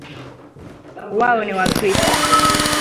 Wao ni wakristo